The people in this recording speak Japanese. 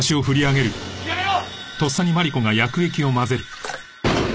やめろ！